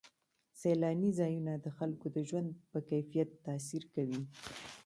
سیلاني ځایونه د خلکو د ژوند په کیفیت تاثیر کوي.